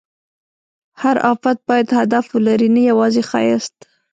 هر افکت باید هدف ولري، نه یوازې ښایست.